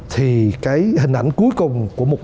thì cái hình ảnh cuối cùng của một đô thờ